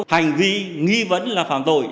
hành vi nghi vấn là phạm tội